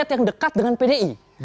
yang dekat dengan pdi